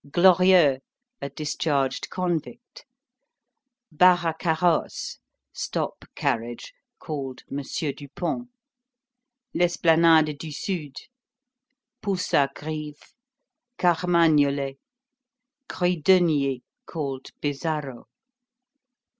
Glorieux, a discharged convict. Barrecarrosse (Stop carriage), called Monsieur Dupont. L'Esplanade du Sud. Poussagrive. Carmagnolet. Kruideniers, called Bizarro.